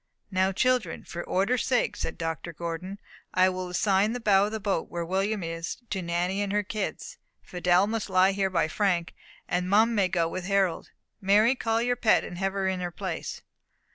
"Now, children, for order's sake," said Dr. Gordon, "I will assign the bow of the boat, where William is, to Nanny and her kids; Fidelle must lie here by Frank and Mum may go with Harold. Mary, call your pet, and have her in her place."